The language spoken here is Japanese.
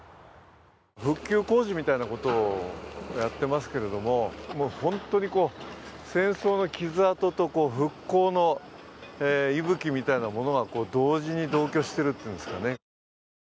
復旧工事みたいなことをやってますけれども、本当に戦争の傷跡と復興の息吹みたいなものが同時に同居しているというんですかね。